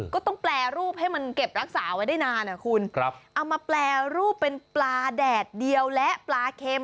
ก็ต้องแปรรูปให้มันเก็บรักษาไว้ได้นานอ่ะคุณเอามาแปรรูปเป็นปลาแดดเดียวและปลาเค็ม